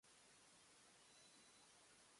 ポニョ，そーすけ，好き